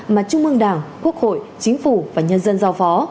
mà trung mương đảng quốc hội chính phủ và nhân dân giao phó